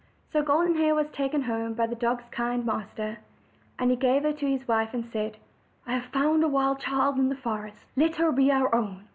So Golden Hair was taken home by the dog's kind master. And he gave her to his wife, and said: "I have found a wild child in the forest; let her be our own."